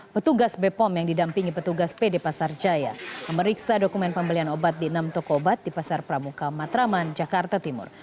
petugas bepom yang didampingi petugas pd pasar jaya memeriksa dokumen pembelian obat di enam toko obat di pasar pramuka matraman jakarta timur